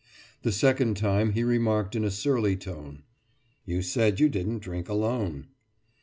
The second time he remarked in a surly tone. »You said you didn't drink alone.